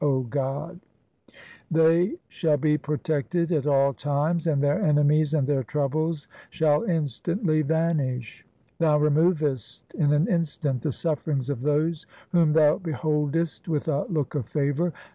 COMPOSITIONS OF GURU GOBIND SINGH 331 They shall be protected at all times, And their enemies and their troubles shall instantly vanish. Thou removest in an instant the sufferings of those Whom Thou beholdest with a look of favour.